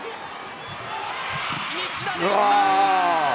西田でいった！